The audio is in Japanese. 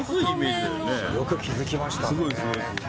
よく気付きましたね。